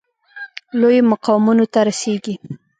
لویو مقامونو ته رسیږي.